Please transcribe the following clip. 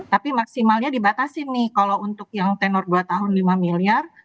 tapi maksimalnya dibatasi nih kalau untuk yang tenor dua tahun lima miliar